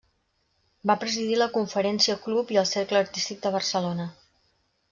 Va presidir la Conferència Club i el Cercle Artístic de Barcelona.